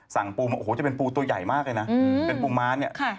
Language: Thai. สั่งปูมาโอ้โหจะเป็นปูตัวใหญ่มากเลยนะเป็นปูม้าเนี่ย